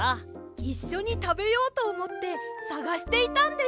いっしょにたべようとおもってさがしていたんです。